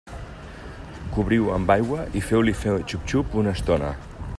Cobriu-ho amb aigua i feu-li fer xup-xup una estona.